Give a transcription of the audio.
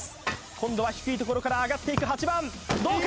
今度は低いところから上がっていく８番どうか？